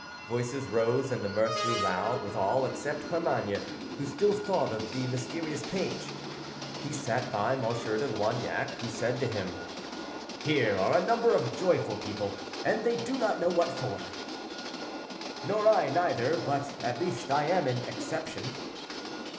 Voices rose, and the mirth grew loud with all, except Carmainges, who still thought of the mysterious page. He sat by M. de Loignac, who said to him: "Here are a number of joyful people, and they do not know what for." "Nor I, neither; but at least I am an exception."